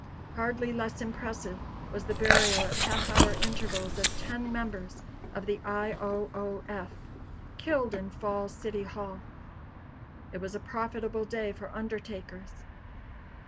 Hardly less impressive was the burial at half hour intervals of ten members of the I. O. O. F., killed in Falls City Hall. It was a profitable day for undertakers.